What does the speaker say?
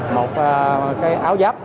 một cái áo giáp